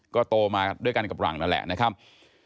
ก็โตมาด้วยกันกับหลังนั่นแหละนะครับ